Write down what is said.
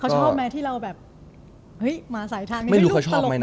เขาชอบไหมที่เราแบบเฮ้ยมาสายทางไม่รู้เขาชอบไหมนะ